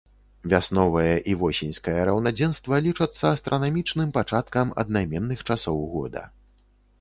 Вясновае і восеньскае раўнадзенства лічацца астранамічным пачаткам аднайменных часоў года.